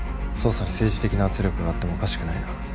捜査に政治的な圧力があってもおかしくないな。